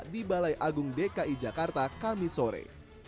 di balai agung dki jakarta kami sore